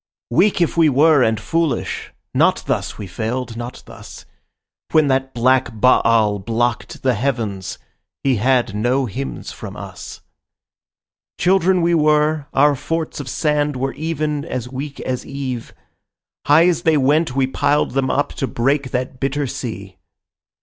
Weak if we were and foolish, not thus we failed, not thus; When that black Baal blocked the heavens he had no hymns from us Children we were—our forts of sand were even as weak as we, High as they went we piled them up to break that bitter sea.